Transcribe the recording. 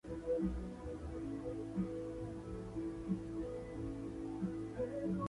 El evento fue cubierto por las cámaras de Carlos A. Schwartz y Efraín Pintos.